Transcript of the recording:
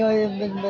ừ rồi em rồi rồi em